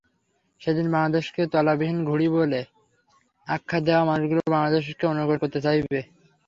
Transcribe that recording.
সেদিন বাংলাদেশকে তলাবিহীন ঝুড়ি বলে আখ্যা দেয়া মানুষগুলো বাংলাদেশকে অনুকরণ করতে চাইবে।